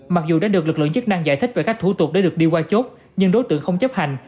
mặc dù đã được lực lượng chức năng giải thích về các thủ tục để được đi qua chốt nhưng đối tượng không chấp hành